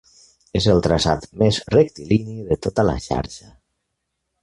És el traçat més rectilini de tota la xarxa.